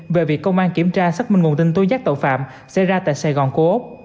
về việc công an kiểm tra xác minh nguồn tin tối giác tội phạm xảy ra tại sài gòn cô ấp